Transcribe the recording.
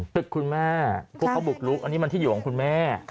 คุณแม่พวกเขาบุกลุกอันนี้มันที่อยู่ของคุณแม่